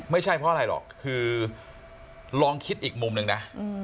ไม่ใช่เพราะอะไรหรอกคือลองคิดอีกมุมหนึ่งนะ